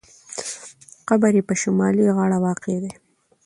قبر یې په شمالي غاړه واقع دی.